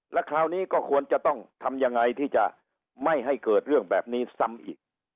แล้วคราวนี้ก็ควรจะต้องทำยังไงที่จะไม่ให้เกิดเรื่องแบบนี้ซ้ำอีก